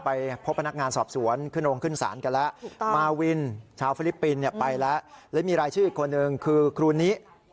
ไปพบพนักงานสอบสวนขึ้นโรงขึ้นศาลกันแล้วมาวินชาวฟิลิปปินส์เนี่ยไปแล้วและมีรายชื่ออีกคนนึงคือครูนิ